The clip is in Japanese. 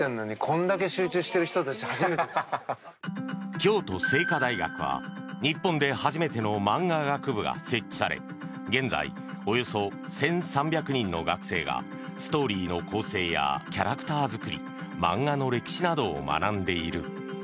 京都精華大学は日本で初めてのマンガ学部が設置され現在、およそ１３００人の学生がストーリーの構成やキャラクター作り漫画の歴史などを学んでいる。